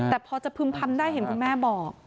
แต่พอจะพึ่มพำได้เห็นคุณแม่บอก